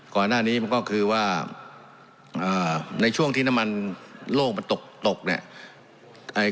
ก่อนหน้านี้มันก็คือว่าในช่วงที่น้ำมันโล่งมันตกตกเนี่ย